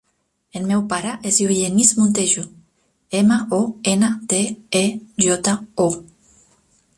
El meu pare es diu Genís Montejo: ema, o, ena, te, e, jota, o.